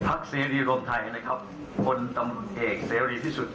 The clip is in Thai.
ภักดิ์เซียดีรวมไทยนะครับคนตำเอกเซียดีที่สุด